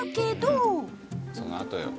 「そのあとよ。